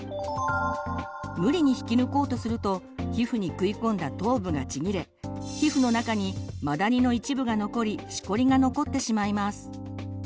無理に引き抜こうとすると皮膚に食い込んだ頭部がちぎれ皮膚の中にマダニの一部が残りしこりが残ってしまいます。